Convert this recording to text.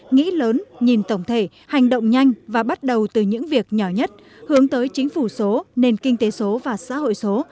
nghĩ lớn nhìn tổng thể hành động nhanh và bắt đầu từ những việc nhỏ nhất hướng tới chính phủ số nền kinh tế số và xã hội số